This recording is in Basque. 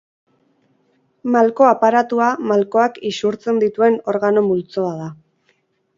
Malko aparatua malkoak isurtzen dituen organo multzoa da.